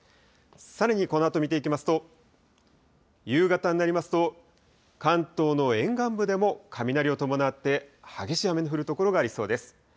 さらにこのあと見ていきますと、夕方になりますと、関東の沿岸部でも雷を伴って激しい雨の降る所がありそうです。